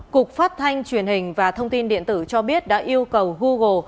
cục phát thanh truyền hình và thông tin điện tử cho biết đã yêu cầu google